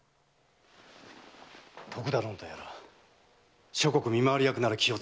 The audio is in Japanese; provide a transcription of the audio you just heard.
徳田殿とやら諸国見回り役なら気をつけた方がよい。